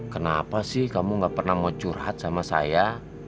kenapa sih kamu gak pernah mau curhat sama saya